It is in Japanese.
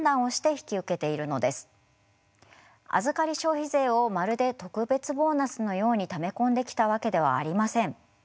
預り消費税をまるで特別ボーナスのようにため込んできたわけではありません。